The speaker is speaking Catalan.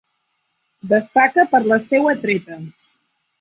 Destaca per la seua treta.